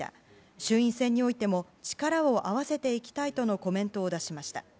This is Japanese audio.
衆院選においても力を合わせていきたいとのコメントを出しました。